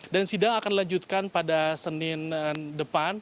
dan sidang akan dilanjutkan pada senin depan